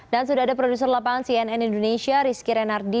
dan sudah ada produser lapangan cnn indonesia rizky renardi